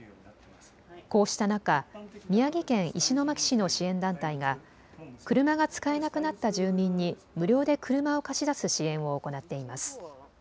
こうした中、宮城県石巻市の支援団体が車が使えなくなった住民に無料で車を貸し出す支援を行っています。